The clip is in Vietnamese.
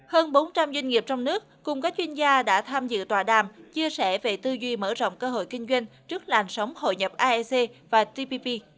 hơn bốn trăm linh doanh nghiệp trong nước cùng các chuyên gia đã tham dự tòa đàm chia sẻ về tư duy mở rộng cơ hội kinh doanh trước làn sóng hội nhập aec và tpp